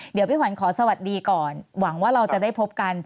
เดี๋ยวพี่ขวัญขอสวัสดีก่อนหวังว่าเราจะได้พบกัน